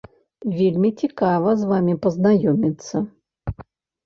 Вельмі цікава з вамі пазнаёміцца!